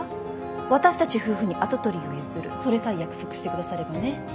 私たち夫婦に跡取りを譲るそれさえ約束してくださればね。